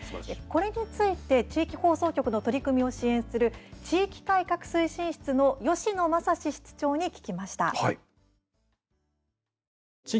これについて地域放送局の取り組みを支援する地域改革推進室の吉野真史室長に聞きました。